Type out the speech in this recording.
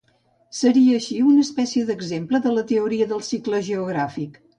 Seria així una espècie d'exemple de la teoria del cicle geogràfic.